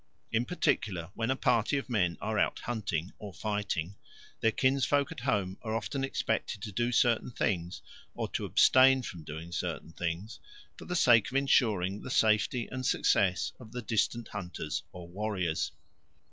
In particular when a party of men are out hunting or fighting, their kinsfolk at home are often expected to do certain things or to abstain from doing certain others, for the sake of ensuring the safety and success of the distant hunters or warriors.